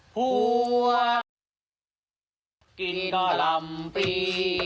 ผัวกินก็ลำปี